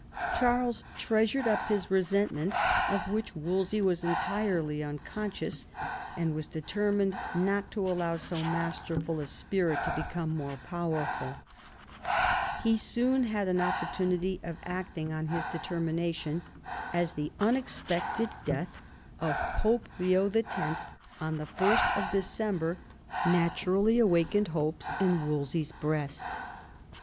Charles treasured up his resentment, of which Wolsey was entirely unconscious, and was determined not to allow so masterful a spirit to become more powerful. He soon had an opportunity of acting on this deter L CHAP. VI THE IMPERIAL ALLIANCE 86 mination, as the unexpected death of Pope Leo X. on 1st December naturally awakened hopes in Wolsey's breast.